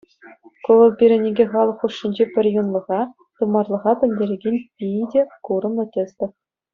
Ку вӑл пирӗн икӗ халӑх хушшинчи пӗрюнлӑха, тымарлӑха пӗлтерекен питӗ курӑмлӑ тӗслӗх.